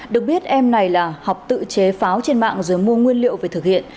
được biết em này là học tự chế pháo trên mạng rồi mua nguyên liệu về thực hiện